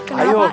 ada apa mister